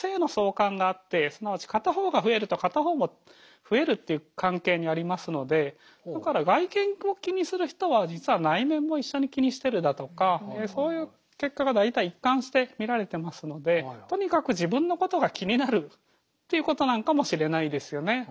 ただ２つのものってっていう関係にありますのでだから外見を気にする人は実は内面も一緒に気にしてるだとかそういう結果が大体一貫して見られてますのでとにかく自分のことが気になるということなのかもしれないですよね。